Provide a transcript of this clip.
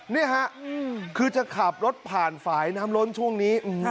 นี่ฮะคือจะขับรถผ่านฝ่ายน้ำล้นช่วงนี้